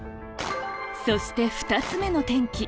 そして２つ目の転機